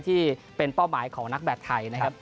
ที่เป็นเป้าหมายของนักแบตไทยนะครับ